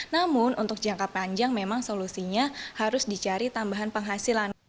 namun untuk jangka panjang memang solusinya harus dicari tambahan penghasilan